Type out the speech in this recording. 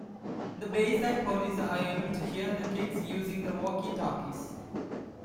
The Bayside Police are able to hear the kids using the walkie talkies.